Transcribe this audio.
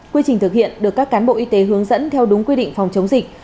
quy trình thực hiện được các cán bộ y tế hướng dẫn theo đúng quy định phòng chống dịch